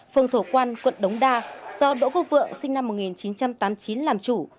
phường thổ quan quận đống đa do đỗ quốc vượng sinh năm một nghìn chín trăm tám mươi chín làm chủ